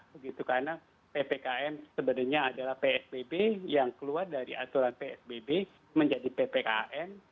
karena ppkm sebenarnya adalah psbb yang keluar dari aturan psbb menjadi ppkm